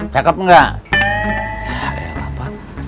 ya elah pak